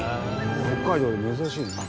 北海道で珍しいね。